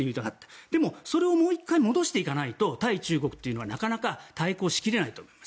でもそれをもう１回戻していかないと対中国というのはなかなか対抗しきれないと思います。